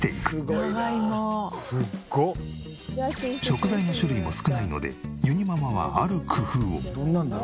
食材の種類も少ないのでゆにママはある工夫を。